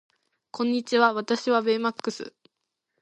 こんにちは私はベイマックス